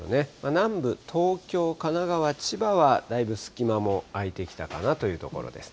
南部、東京、神奈川、千葉はだいぶ隙間も空いてきたかなというところです。